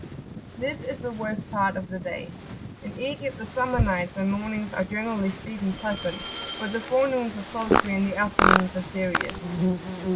This is the worst part of the day. In Egypt the summer nights and mornings are, generally speaking, [p.78]pleasant, but the forenoons are sultry, and the afternoons are serious.